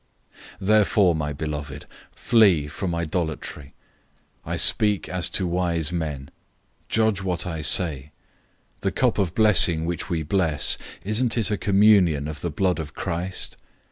010:014 Therefore, my beloved, flee from idolatry. 010:015 I speak as to wise men. Judge what I say. 010:016 The cup of blessing which we bless, isn't it a communion of the blood of Christ?